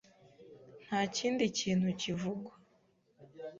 Nta kindi kintu kivugwa.